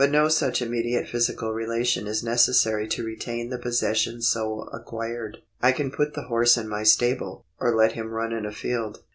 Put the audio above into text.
But no such immediate physical relation is necessary to retain the possession so acquired. I can put the horse in my stable, or let him run in a field.